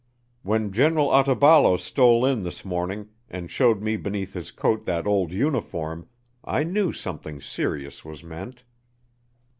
When General Otaballo stole in this morning and showed me beneath his coat that old uniform I knew something serious was meant.